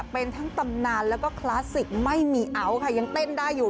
เป็นทั้งตำนานแล้วก็คลาสสิกไม่มีเอาท์ค่ะยังเต้นได้อยู่